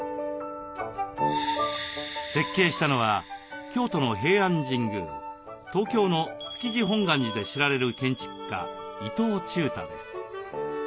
設計したのは京都の平安神宮東京の築地本願寺で知られる建築家伊東忠太です。